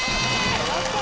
やった！